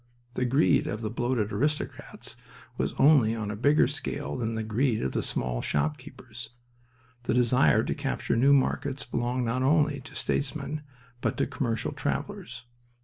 The greed of the "bloated aristocrats" was only on a bigger scale than the greed of the small shopkeepers. The desire to capture new markets belonged not only to statesmen, but to commercial travelers.